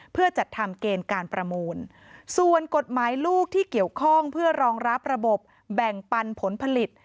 เพื่อจัดทำเกณฑ์การประมูลส่วนกฎหมายลูกที่เกี่ยวข้องเพื่อรองรับระบบแบ่งปันผลผลิต